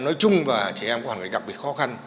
nói chung và trẻ em có hoàn cảnh đặc biệt khó khăn